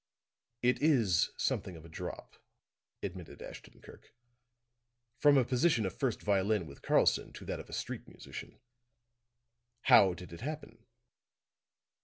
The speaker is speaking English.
"It is something of a drop," admitted Ashton Kirk. "From a position of first violin with Karlson to that of a street musician. How did it happen?"